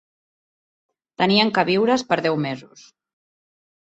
Tenien queviures per deu mesos.